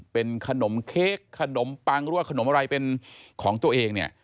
เป็นขนมเค้กขนมปังหรือว่าขนมอะไรเป็นของตัวเองเนี่ย